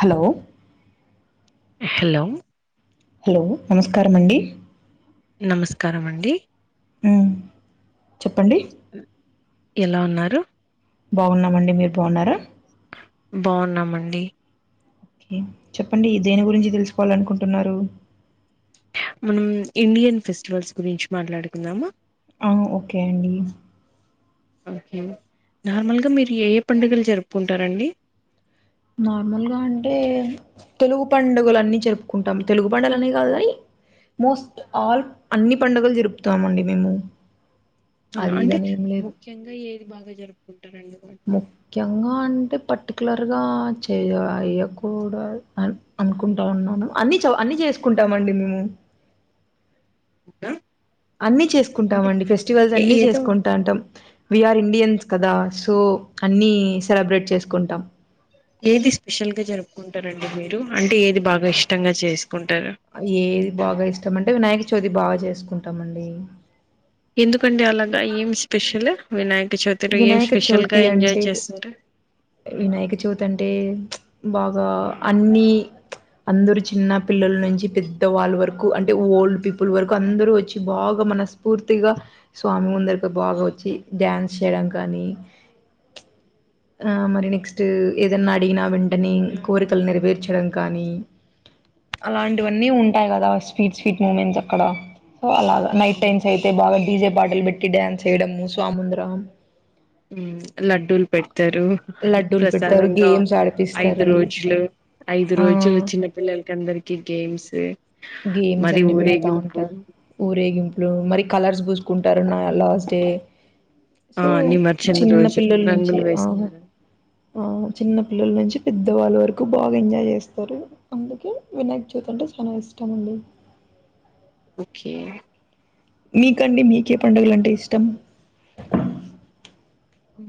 Hello ఎ hello hello నమస్కారమండి నమస్కారమండి ఉం చెప్పండి ఎలా ఉన్నారు బావున్నామండి మీర్ బావున్నారా బావున్నామండి ఉ చెప్పండి దేని గురించి తెలుసుకోవాలనుకుంటున్నారు మనం ఇండియన్ ఫెస్టివల్స్ గురించి మాట్లాడుకుందామా? ఆ ఓకే అండి ఓకే నార్మల్గా మీరు ఏ ఏ పండుగలు జరుపుకుంటారండి? నార్మల్గా అంటే తెలుగు పండుగలు అన్నీ జరుపుకుంటాం. తెలుగు పండుగలనే కాదు కానీ మోస్ట్ ఆల్ అన్ని పండుగలు జరుపుతామండి మేము. అవున అది అంటే ఇదని ఏం లేదు ముఖ్యంగా ఏది బాగ జరుపుకుంటరండి బా ముఖ్యంగా అంటే పర్టికులర్గా చేయ్య అయ్యకూడ అ అనుకుంటా ఉన్నాను. అన్ని చ అన్ని చేసుకుంటామండి మేము. కే అన్ని చేసుకుంటామండి. ఫెస్టివల్స్ అన్ని చేసుకుంటాంటాం. విఆర్ ఇండియన్స్ కదా సో అన్నీ సెలబ్రేట్ చేసుకుంటాం. ఏది స్పెషల్గా జరుపుకుంటరండి మీరు, అంటే ఏది బాగ ఇష్టంగా చేసుకుంటరు? ఏది బాగ ఇష్టం అంటే వినాయక చవితి బాగా చేసుకుంటాం అండి. ఎందుకండి అలాగ ఏం స్పెషల్ వినాయక చవితిర్ ఏం వినాయక స్పెషల్ చవితి గా ఎంజాయ్ అంటే చేస్తరు? వినాయక చవితి అంటే బాగా అన్ని అందరు చిన్న పిల్లల నుంచి పెద్ద వాళ్ళ వరకు అంటే ఓల్డ్ పీపుల్ వరకు అందరుూ వచ్చి బాగా మనస్ పూర్తిగా స్వామి ముందరికి బాగ వచ్చి డ్యాన్స్ చేయడం కానీ ఆ మరి నెక్స్ట్ ఏదన్న అడిగినా వెంటనే కోరికలు నెరవేర్చడం కానీ అలాంటివన్నీ ఉంటాయి కదా స్వీట్ స్వీట్ మూమెంట్స్ అక్కడ. అలాగ నైట్ టైమ్స్ అయితే బాగా డీజే పాటలు పెట్టి డ్యాన్స్ చేయడము స్వామ్ ముందరా ఉ లడ్డూలు పెడతరు లడ్డూలు పెడతారు ప్రసాదంగా గేమ్స్ ఐదు ఆడిపిస్తారు రోజులు. ఐదు ఆ రోజులు చిన్న పిల్లలకి అందరికి గేమ్స్, గేమ్స్ మరి అన్ని పెడతా ఊరేగింపు ఉంటారు ఊరేగింపులు, మరి కలర్స్ పూసుకుంటరు నా లాస్ట్ డే. ఆ సో నిమర్జన చిన్న రోజు పిల్లల్ నుంచి రంగులు ఆహ వేసుకోవడం ఆ చిన్న పిల్లల నుంచి పెద్దవాళ్ళ వరకు బాగ ఎంజాయ్ చేస్తరు. అందుకే వినాయక్ చవితి అంటే చాల ఇష్టం అండి. ఓకే మీకండి మీకే పండుగలు అంటే ఇష్టం?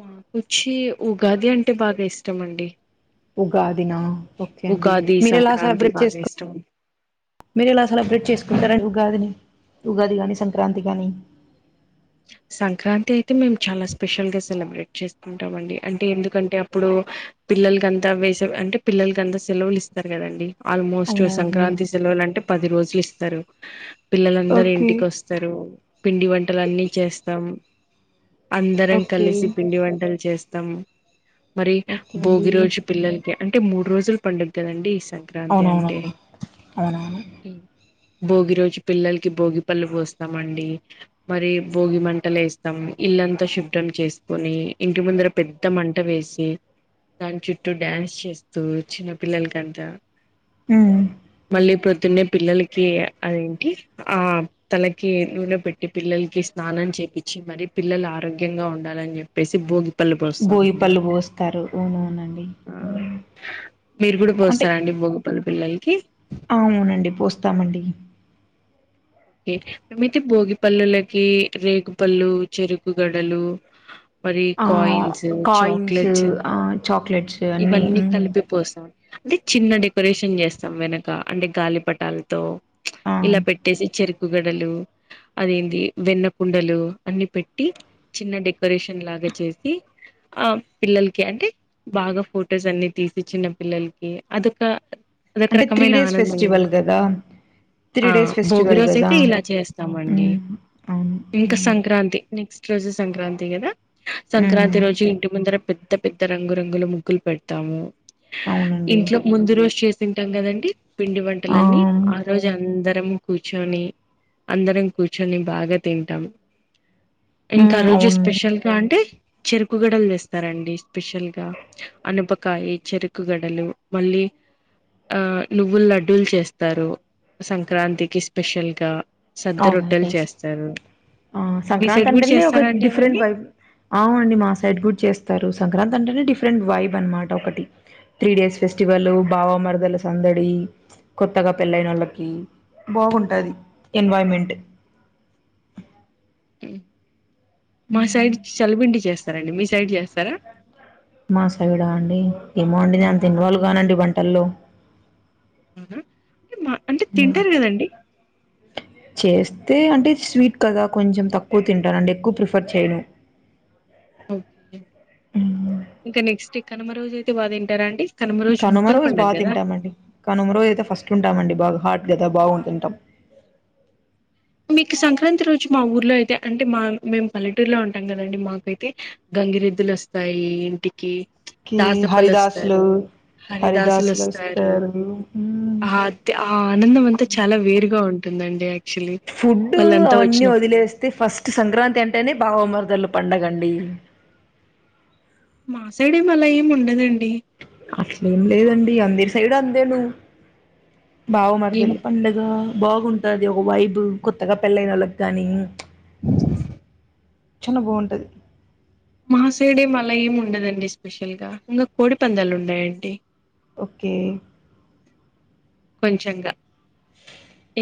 మాకు వచ్చి ఉగాది అంటే బాగ ఇష్టం అండి. ఉగాదిన ఓకే అండి. ఉగాది మీరెలా సంక్రాంతి సెలబ్రేట్ బాగా చేస్కో ఇష్టం మీరెలా సెలబ్రేట్ చేసుకుంటరండి ఉగాదిని. ఉగాది గాని సంక్రాంతి గాని. సంక్రాంతి అయితే మేం చాలా స్పెషల్ గా సెలబ్రేట్ చేస్తుంటాం అండి, అంటే ఎందుకంటే అప్పుడు పిల్లలకంత వేస అంటే పిల్లలకాంత సెలవులు ఇస్తరు కదండి. ఆల్మోస్ట్ అవునవునండి సంక్రాంతి సెలవులు అంటే పది రోజులు ఇస్తరు. పిల్లలందరూ ఓకే ఇంటికి వస్ స్తరు పిండి వంటలు అన్ని చేస్తాం. అందరం ఓకే కలిసి పిండి వంటలు చేస్తం. మరి ఓకే అండి భోగి రోజు పిల్లలకి, అంటే మూడు రోజులు పండు కదండి సంక్రాంతి అంటే. అవునవునండి అవునవును భోగి రోజు పిల్లలకి భోగి పళ్ళు పోస్తమండి మరి భోగి మంటలు ఏస్తాం. ఇల్లంతా శుభ్రం చేసుకొని ఇంటి ముందర పెద్ద మంట వేసి దాన్ చుట్టూ డ్యాన్స్ చేస్తూ చిన్న పిల్లలకంతా ఉమ్ మళ్ళీ పొద్దున్నే పిల్లలకి అదేంటి ఆ తలకి నూనె పెట్టి పిల్లలకి స్నానం చేపిచ్చి మరి, పిల్లలు ఆరోగ్యంగా ఉండాలని చెప్పేసి భోగి పళు భోగి పోస్తామండి. పళ్ళు పోస్తారు అవునవునండి ఆ మీరు కూడ అంటే పోస్తారండి బొగ్ వాళ్ పిల్లలకి. అవునండి పోస్తామండి. ఏమితే భోగి పల్లులకి రేగుపళ్ళు చెరుకు గడలు. మరి ఆ కాయిన్స్ కాయిన్స్ చాక్లెట్స్ ఆ చాక్లెట్స్ అన్నీ ఇవన్నీ ఉమ్ కలిపి పోస్తాం. డి చిన్న డెకరేషన్ చేస్తాం వెనక అంటే గాలి పటాలతో ఆ ఇలా పెట్టేసి. చెరుకుగడలు. అదేంటి వెన్న కుండలు అన్ని పెట్టి చిన్న డెకరేషన్ లాగా చేసి. ఆ పిల్లలకి అంటే. బాగా ఫొటోస్ అన్ని తీపి ఇచ్చిన పిల్లలకి అదంతా. అదొక అంటే త్రీ రకమైన డేస్ ఆనందం ఫెస్టివల్ కదా త్రీ ఆ డేస్ భోగి ఫెస్టివల్ రోజ్. కదా చేతే ఇలా చేస్తామండి ఉమ్ అవును ఇంకా ఉమ్ సంక్రాంతి నెక్స్ట్ రోజు సంక్రాంతి కదా. సంక్రాంతి ఉమ్ రోజు ఇంటి ముందర పెద్ద పెద్ద రంగురంగులు ముగ్గులు పెడతాము. అవునండి ఇంట్లో ముందు రోజు చేసింటాం కదండి. పిండి ఆ వంటలన్నీ ఉమ్ ఆ రోజు అందరము కూర్చు. లోని అందరం కూర్చొని బాగా తింటాం. ఇంకా రోజు అవునండి స్పెషల్ గా అంటే చెరుకుగడలు తేస్తారండి స్పెషల్ గా. అనపకాయి చెరుకు గడలు మళ్ళీ. ఆ నువ్వులు లడ్డూలు చేస్తారు సంక్రాంతికి స్పెషల్ గా. సద్ద రొట్టెలు అవునండి చేస్తారు ఆ మీ సంక్రాంతి సైడ్ కూడా అంటేనే ఒక చేస్తారా అండి డిఫరెంట్ వైబ్. అవునండి మా సైడ్ కూడా చేస్తారు సంక్రాంతి అంటేనే డిఫరెంట్ వైబ్ అనమాట ఒకటి. త్రీ డేస్ ఫెస్టివల్ బావ మరదల సందడి. కొత్తగా అవన్నీ పెళ్లయినొల్లకి బావుంటది ఎన్వామెంట్. మా సైడ్ చలపిండి చేస్తారాండి మీ సైడ్ చేస్తారా. మా సైడా అండి ఏమో అండి నేను అంత ఇన్వాల్వ్ కానండి వంటల్లో. ఉహు అంటే మా. అంటే ఉ. తింటారు కదండి చేస్తే అంటే స్వీట్ కదా కొంచెం తక్కువ తింటానండి ఎక్కువ ప్రిఫర్ చేయను. ఓకే ఇంకా నెక్స్ట్ కనుమ రోజు అయితే బాగా తింటారా అండి. కనుమ ముక్కలు రోజు పండగ బాగా కదా తింటామండి కనుమ రోజు అయితే ఫస్ట్ ఉంటామండి బాగా హార్ట్ కదా బాగు తింటాం. మీకు సంక్రాంతి రోజు మా ఊర్లో అయితే అంటే మా మేము పల్లెటూరులో ఉంటాం కదండి మాకైతే. గంగిరెద్దులు వస్తాయి ఇంటికి కి దాసప్పలు హరిదాసులు వస్తారు. హరిదాసులు వస్తారు మ్మ్ ఆది ఆ ఆనందం అంతా చాలా వేరుగా ఉన్. టుందండి ఆక్చుల్లీ. ఫుడ్ అవన్నీ వదిలేస్తే ఫస్ట్ సంక్రాంతి అంటేనే బావమరదలు పండగ అండి. మా సైడ్ ఏం మళ్ళ ఏం ఉండదండి. అట్లేం లేదండి అందిరి సైడ్ అందే ను బావ మరదల్ ఏం పండగ్. ఆ బాగుంటాది ఒక వైబ్ కొత్తగా పెళ్లైనోళ్ళకి గాని. చానా బాంటాది. మాసేడే మళ ఏమి ఉండదండి స్పెషల్గా ఇంకా కోడిపందాలు ఉన్నాయండి. ఓకే. కొంచెంగా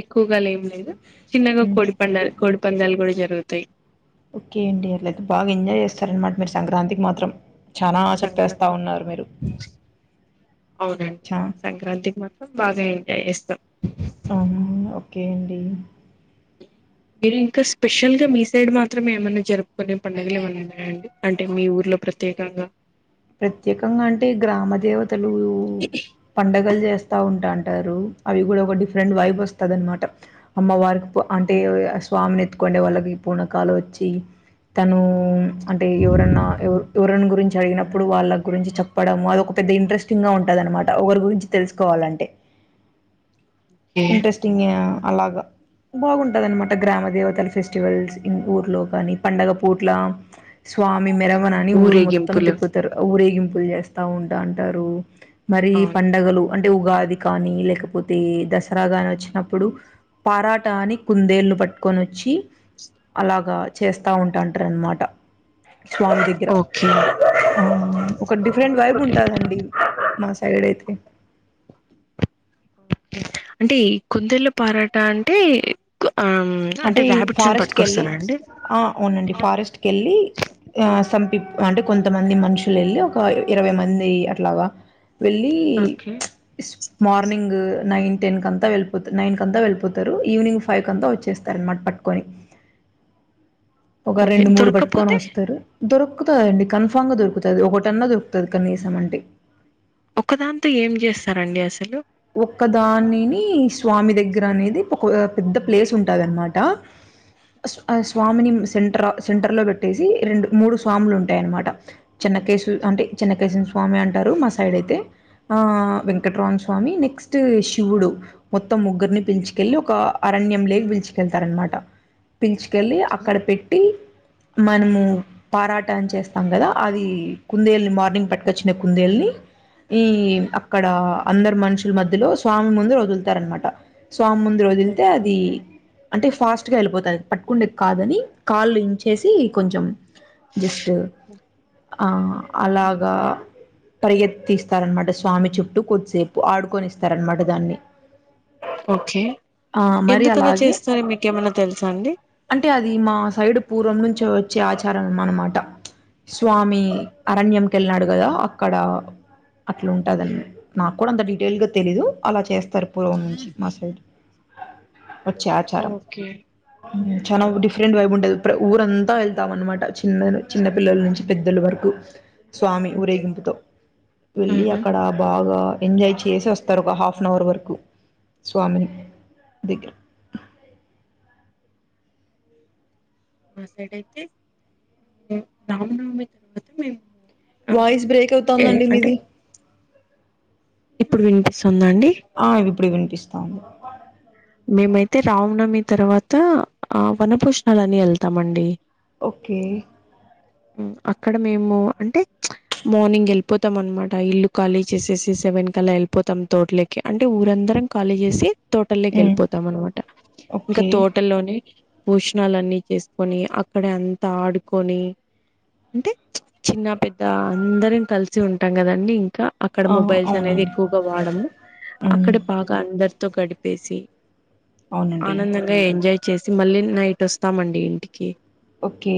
ఎక్కువగా లేం లేదు చిన్నగా మ్మ్ కోడి పంద్యాల్. కోడి పందాలు కూడా జరుగుతాయి. ఓకే అండి అట్లా అయితే బాగా ఎంజాయ్ చేస్తారనమాట్ మీరు సంక్రాంతికి మాత్రం. చానా చెప్పేస్తా సంక్రాంతికి ఉన్నారు మీరు అవునండి చ. సంక్రాంతికి మాత్రం బాగా ఎంజాయ్ చేస్తాం. అవునా ఓకే అండి. మీరు ఇంకా స్పెషల్ గా మీ సైడ్ మాత్రమే ఏమన్నా జరుపుకునే పండుగలు ఏమైనా ఉన్నాయాండి. అంటే మీ ఊర్లో ప్రత్యేకంగా. ప్రత్యేకంగా అంటే ఈ గ్రామ దేవతలు. పండగలు చేస్తా ఉంటాంటారు అవి కూడా ఒక డిఫరెంట్ వైబ్ వస్తది అనమాట. అమ్మవారికి అంటే స్వామిని ఎత్తుకుండే వాళ్ళకి పూనకాలు వచ్చి. తను అంటే ఎవరన్నా ఎవ ఎవరని గురించి అడిగినప్పుడు. ఇప్పుడు వాళ్ళకు గురించి చెప్పడం అది ఒక పెద్ద ఇంట్రెస్టింగ్ గా ఉంటదనమాట ఒకరి గురించి తెలుసుకోవాలంటే. ఏ ఇంట్రెస్టింగే అలాగా. బాగుంటదన్నమాట గ్రామ దేవతల ఫెస్టివల్స్ ఊర్లో కానీ పండగ పూట్ల. స్వామి మెరవనని ఊరు మొత్తం ఊరేగింపులు తిప్పుతారు ఊరేగింపులు చేస్తా ఉంటా ఉంటారు. మరి అవును పండగలు అంటే ఉగాది కానీ లేకపోతే దసరా కాని వచ్చినప్పుడు. పారాట అని కుందేళ్ళు పట్టుకొని వచ్చి. అలాగా చేస్తా ఉంటాంటారు అనమాట స్వామి దగ్గర. చా ఆహ్ ఒక డిఫరెంట్ వైబ్ ఉంటాదండి మా సైడ్ అయితే. అంటే కుందేలు పారాట అంటే ఆమ్. అంటే ర్బిట్స్ అని పట్టుకొస్తారా అండి. ఆహ్ అవునండి ఫారెస్ట్ కి వెళ్ళి ఆహ్ సంపి అంటే కొంతమంది మనుషులు వెళ్ళి. ఆహ్ ఇరవై మంది అట్లాగా వెళ్ళి ఓకే ప్చ్. మార్నింగ్ నైన్ టెన్ కంతా వెళ్ళిపోతారు నైన్ కంతా వెళ్ళిపోతారు ఈవినింగ్ ఫైవ్ కంతా వచ్చేస్తారు. కర్మాట్ పట్టుకొని. ఒక ఓకే రెండు మూడు పట్టుకొని దొరక్కపోతే వస్తారు. దొరుకుతదాండి కన్ఫామ్గా దొరుకుతది ఒకటన్నా దొరుకుతది కనీసం అంటే. ఒకదాంతో ఏం చేస్తారండి అసలు. ఒక్కదానిని స్వామి దగ్గర అనేది ఒక పెద్ద ప్లేస్ ఉంటదనమాట. ఆహ్ ఆ స్వామిని సెంటర్ సెంటర్లో పెట్టేసి రెండు మూడు స్వాములు ఉంటాయన్నమాట. చిన్నకేశ్వర్ అంటే చిన్నకేశర స్వామి అంటారు మా సైడ్ అయితే ఆహ్ వెంకటరాం. కానీ నెక్స్ట్ శివుడు. మొత్తం ముగ్గురిని పిలిచుకెళ్లి ఒక అరణ్యం లేగి పిల్చుకెళ్తారు అనమాట. పిలుచుకెళ్ళి అక్కడ పెట్టి మనము. పారాటం చేస్తాం కదా అది కుందేల్ని మార్నింగ్ పట్టుకొచ్చిన కుందేల్ని. ఉమ్ ఏమ్ అక్కడ. అందరు మనుషుల మధ్యలో స్వామి ముందు వదులుతారనమాట స్వామి ముందు వదిలితే అది. అంటే ఫాస్ట్గా వెళ్ళిపోతది పట్టుకుండేది కాదని కాళ్ళు ఇంచేసి కొంచెం. జస్ట్ ఆహ్ అలాగా. పరిగెత్తిస్తారనమాట స్వామి చుట్టూ కొద్దిసేపు ఆడుకొనిస్. అన్నమాట దాన్ని ఓకే ఆహ్ మరి అలాగే. ఏమైన్నా తెలుసా అండి. అంటే అది మా సైడు పూర్వం నుంచి వచ్చే ఆచారం అనమాట. స్వామి అరణ్యం కేళ్ళాడు కదా అక్కడ. అట్లా ఉంటాదని నాకు కూడా అంత డీటెయిల్ గా తెలీదు అలా చేస్తు. తరపులోనుంచి మా సైడ్ వచ్చే ఆచారం ఓకే ఉమ్మ్ చానా డిఫరెంట్ వైబ్ ఉంటది ప్ర ఊరంతా వెళ్తాం అన్నమాట చిన్నన చిన్న పిల్లల నుంచి పెద్దల వరకు స్వామి ఊరేగింపుతో వెళ్ళి ఆహా అక్కడ బాగా ఎంజాయ్ చేసి వస్తారు ఒక హాఫ్ అన్ అవర్ వరకు స్వామిని దగ్గర మా సైడ్ అయితే ఆ రామనవమి తర్వాత మేము ఆ వాయిస్ బ్రేక్ ఏ అవుతాందండి అంటే మీది ఇప్పుడు వినిపిస్తుందా అండి ఆ ఇప్పుడు వినిపిస్తాంది మేమైతే రామనవమి తర్వాత ఆ వనభోజనాలని ఎళ్తామండి ఓకే ఆ అక్కడ మేము అంటే మార్నింగ్ ఎళ్ళిపోతాం అనమాట ఇల్లు ఖాళీ చేసేసి సెవెన్ కాలా ఎళ్ళిపోతాం తోటలే కే అంటే ఊరందరం ఖాళీ చేసి తోటల్లేకి మ్మ్ ఎళ్ళిపోతాం అనమాట ఇంకా ఓకే తోటలోనే భొషణాలన్నీ చేసుకొని అక్కడే అంతా ఆడుకొని అంటే చిన్న పెద్ద అందరం కలిసి ఉంటాం కదండి ఇంకా అక్కడ ఆ మొబైల్స్ అనేది అవునండి ఎక్కువగా వాడము మ్మ్ అక్కడ బాగా అందరితో గడిపేసి అవునండి ఆనందంగా ఎంజాయ్ చేసి మళ్ళీ నైట్ వస్తామండి ఇంటికి ఓకే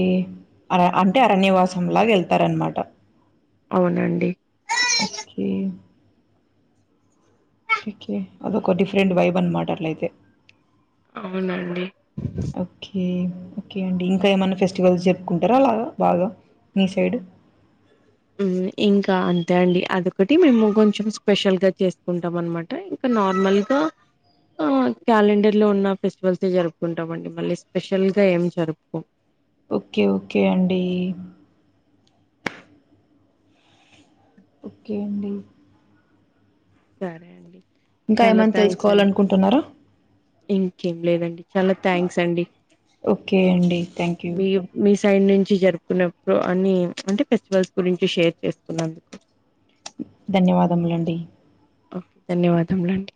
అర అంటే అర అరణ్యవాసం లాగా ఎళ్తారనమాట అవునండి ఓకే కేకే అదొక డిఫరెంట్ వైబ్ అనమాట అట్లయితే అవునండి ఓకే ఓకే అండి ఇంకా ఏమన్నా ఫెస్టివల్స్ చెప్పుకుంటారా అలాగా బాగా నీ సైడ్ ఉమ్మ్ ఇంకా అంతే అండి అదొకటి మేము కొంచెం స్పెషల్‌గా చేసుకుంటాం అనమాట ఇంక నార్మల్‌గా ఆ క్యాలెండర్‌లో ఉన్న ఫెస్టివల్సే జరుపుకుంటామండి మళ్ళీ స్పెషల్‌గా ఏం జరుపుకోం ఓకే ఓకే అండి ఓకే అండి సరే అండి ఇంకా చాలా ఏమైనా థ్యాంక్స్ తెలుసుకోవాలి అండి. అనుకుంటున్నారా ఇంకేం లేదండి చాలా థ్యాంక్స్ అండి ఓకే అండి థ్యాంక్ యూ మీ మీ సైడ్ నుంచి జరుపుకునే ప్రొ అన్ని అంటే ఫెస్టివల్స్ గురించి షేర్ చేసుకున్నందుకు ధన్యవాదములండి ఓ ధన్యవాదములండి